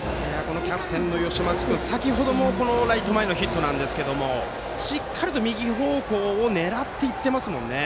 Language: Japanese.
キャプテンの吉松君は先程もライト前のヒットなんですがしっかりと右方向を狙っていってますよね。